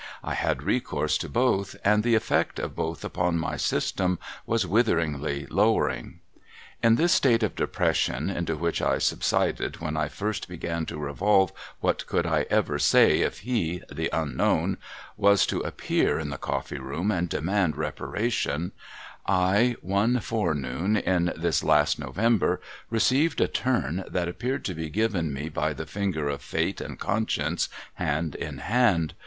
I had recourse to both, and the effect of both upon my system w'as witheringly lowering. In this state of depression, into which I subsided when I first began to revolve what could I ever say if He— the unknown — was to appear in the Coffee room and demand reparation, I one fore noon in this last November received a turn that appeared to be given me by the finger of Fate and Conscience, hand in hand.